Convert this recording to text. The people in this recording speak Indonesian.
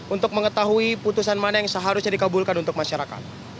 untuk mengetahui putusan mana yang seharusnya dikabulkan untuk masyarakat